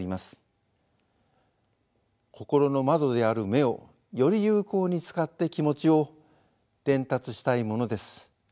心の窓である目をより有効に使って気持ちを伝達したいものです。